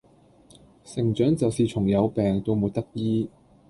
成長就是從有病到沒得醫。